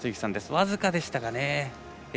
僅かでしたかね。